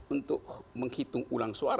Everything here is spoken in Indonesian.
untuk menghitung ulang suara